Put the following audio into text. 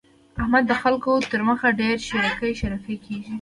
احمد د خلګو تر مخ ډېر شېرکی شېرکی کېږي.